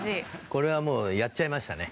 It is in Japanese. これはもうやっちゃいましたね。